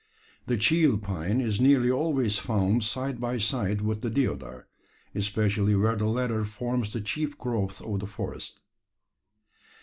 The "cheel" pine is nearly always found side by side with the deodar especially where the latter forms the chief growth of the forest.